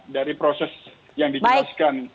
dari proses yang dijelaskan